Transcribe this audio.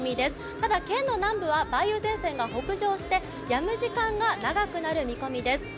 ただ、県の南部は梅雨前線が北上して、やむ時間が長くなる見込みです。